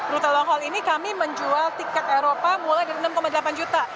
rute long hal ini kami menjual tiket eropa mulai dari enam delapan juta